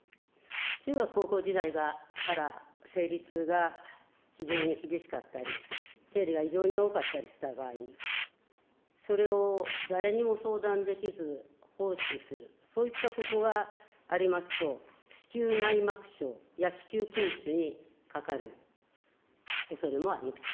中学、高校時代から生理痛が非常に厳しかったり、生理が異常に多かったりした場合に、それを誰にも相談できず放置する、そういったことがありますと、子宮内膜症や子宮筋腫にかかるおそれもあります。